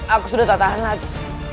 aku sudah tak tahan lagi